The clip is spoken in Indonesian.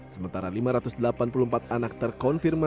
sementara lima ratus delapan puluh empat anak terkonfirmasi